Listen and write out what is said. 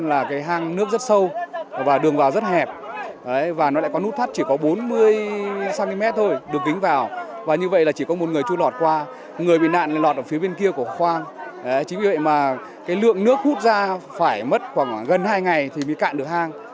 lọt ở phía bên kia của khoang chính vì vậy mà cái lượng nước hút ra phải mất khoảng gần hai ngày thì mới cạn được hang